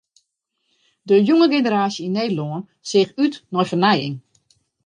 De jonge generaasje yn Nederlân seach út nei fernijing.